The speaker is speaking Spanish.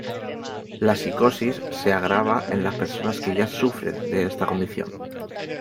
La psicosis se agrava en las personas que ya sufren de esta condición.